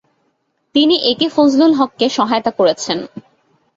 তিনি এ. কে. ফজলুল হককে সহায়তা করেছেন।